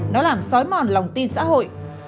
nó làm sói mòn lòng tin xã hội